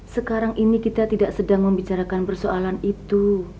sekarang ini kita tidak sedang membicarakan persoalan itu